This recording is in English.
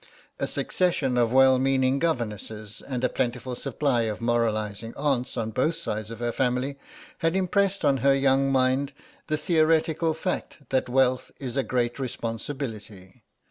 A succession of well meaning governesses and a plentiful supply of moralising aunts on both sides of her family, had impressed on her young mind the theoretical fact that wealth is a great responsibility.